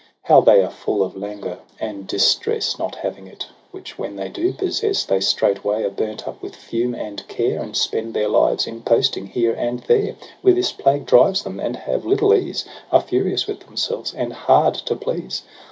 How they are full of languor and distress Not having it ; which when they do possess. They straightway are burnt up with fume and care, And spend their lives in posting here and there Where this plague drives them; and have little ease, Are furious with themselves, and hard to please.